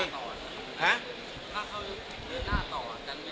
ยังไม่ลดโด่น